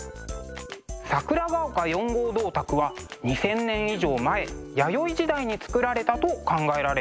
「桜ヶ丘４号銅鐸」は２，０００年以上前弥生時代に作られたと考えられています。